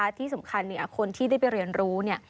ที่สำคัญคนที่ได้ไปเรียนรู้